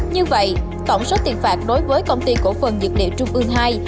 như vậy tổng số tiền phạt đối với công ty cổ phần dược liệu trung ương ii